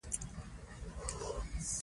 خلکو منډه کړه.